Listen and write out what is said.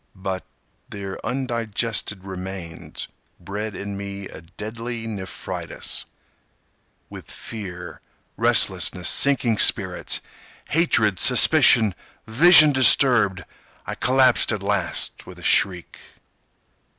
But their undigested remains bred in me a deadly nephritis, With fear, restlessness, sinking spirits, Hatred, suspicion, vision disturbed. I collapsed at last with a shriek.